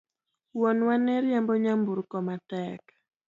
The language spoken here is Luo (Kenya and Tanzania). Wuonwa ne riembo nyamburko matek